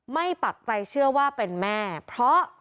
ปักใจเชื่อว่าเป็นแม่เพราะ